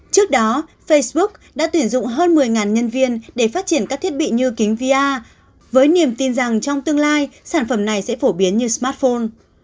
trước đó facebook đã tuyển dụng hơn một mươi nhân viên để phát triển các thiết bị như kính vir với niềm tin rằng trong tương lai sản phẩm này sẽ phổ biến như smartphone